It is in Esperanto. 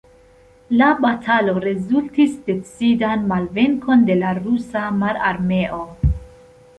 La batalo rezultis decidan malvenkon de la Rusa Mararmeo.